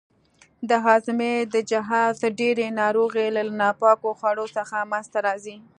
د هاضمې د جهاز ډېرې ناروغۍ له ناپاکو خوړو څخه منځته راځي.